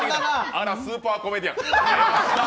あら、スーパーコメディアン。